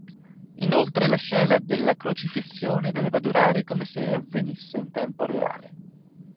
Inoltre, la scena della crocifissione doveva durare come se avvenisse in tempo reale.